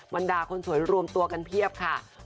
บรรดาคนสวยรวมตัวกันเพียบค่ะ